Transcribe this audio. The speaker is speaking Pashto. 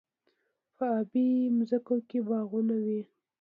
په ابی ځمکو کې باغونه وي.